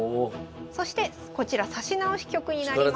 そしてこちら指し直し局になります。